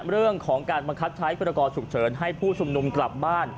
เรื่องของการมะคัดใช้กรกรฉุกเฉินให้ผู้ฉุมหนุ่มกลับบ้าน